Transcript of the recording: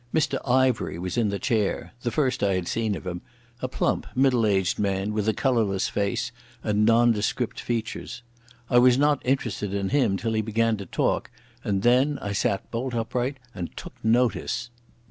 Mr Ivery was in the chair—the first I had seen of him—a plump middle aged man, with a colourless face and nondescript features. I was not interested in him till he began to talk, and then I sat bolt upright and took notice.